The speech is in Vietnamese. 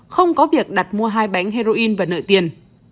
không có việc đặt mua hai bánh heroin và nợ tiền